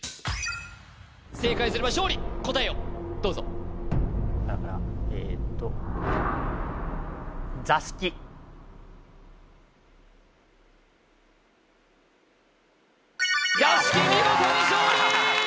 正解すれば勝利答えをどうぞだからえーっと座敷見事に勝利！